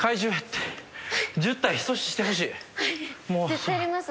絶対やります。